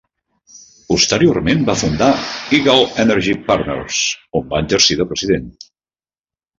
Posteriorment va fundar Eagle Energy Partners, on va exercir de president.